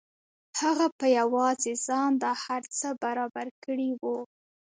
هغه په یوازې ځان دا هر څه برابر کړي وو